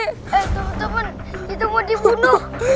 eh temen temen kita mau dibunuh